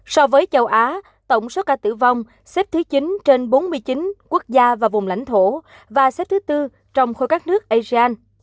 so với châu á tổng số ca tử vong xếp thứ chín trên bốn mươi chín quốc gia và vùng lãnh thổ và xếp thứ tư trong khối các nước asean